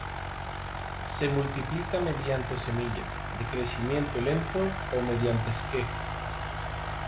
Se multiplica mediante semilla, de crecimiento lento, o mediante esqueje.